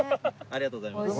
ありがとうございます。